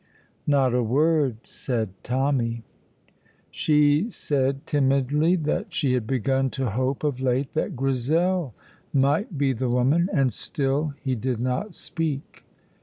Not a word said Tommy. She said, timidly, that she had begun to hope of late that Grizel might be the woman, and still he did not speak.